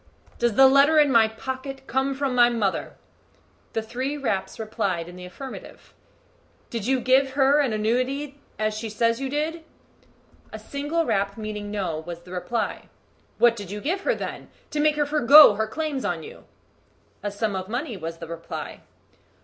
"Does the letter in my pocket come from my mother?" The three raps replied in the affirmative. "Did you give her an annuity, as she says you did?" A single rap, meaning "No," was the reply. "What did you give her, then, to make her forego her claims on you?" "A sum of money," was the reply.